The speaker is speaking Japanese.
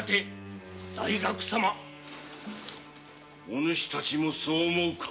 お主たちもそう思うか？